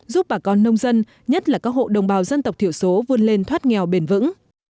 giúp bà con nông dân nhất là các hộ đồng bào dân tộc thiểu số vươn lên thoát nghèo bền vững